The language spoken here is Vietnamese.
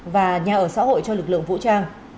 và nhà ở xã hội cho lực lượng vũ trang